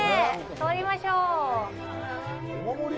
撮りましょう！